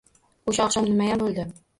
O’sha oqshom nimayam bo‘ldi